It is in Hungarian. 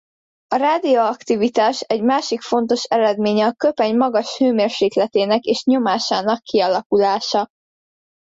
A radioaktivitás egy másik fontos eredménye a köpeny magas hőmérsékletének és nyomásának kialakulása.